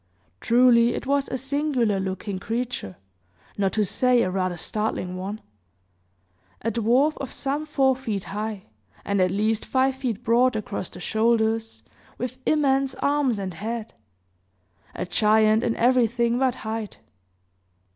Truly, it was a singular looking creature, not to say a rather startling one. A dwarf of some four feet high, and at least five feet broad across the shoulders, with immense arms and head a giant in everything but height.